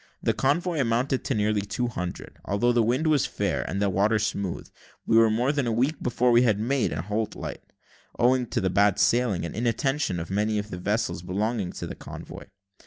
The convoy amounted to nearly two hundred. Although the wind was fair, and the water smooth, we were more than a week before we made Anholt light, owing to the bad sailing and inattention of many of the vessels belonging to the convoy.